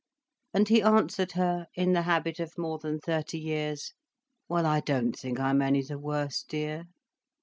And he answered her, in the habit of more than thirty years: "Well, I don't think I'm any the worse, dear."